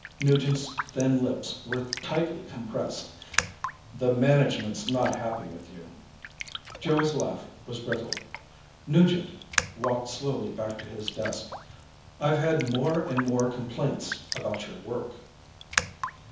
Nugent's thin lips were tightly compressed. "The management's not happy with you." Joey's laugh was brittle. Nugent walked slowly back to his desk. "I've had more and more complaints about your work."